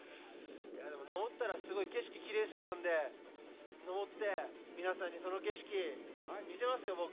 でも、登ったら、すごい景色きれいそうなんで登って皆さんにその景色、見せますよ、僕。